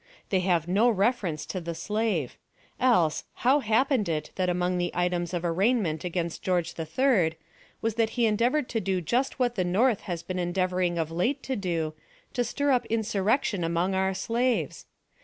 They have no reference to the slave; else, how happened it that among the items of arraignment against George III was that he endeavored to do just what the North has been endeavoring of late to do, to stir up insurrection among our slaves?